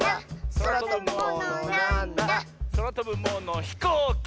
「そらとぶものひこうき！」